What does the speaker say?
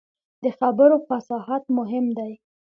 د خبرو فصاحت مهم دی